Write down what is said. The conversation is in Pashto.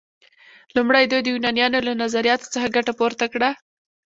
لومړی دوی د یونانیانو له نظریاتو څخه ګټه پورته کړه.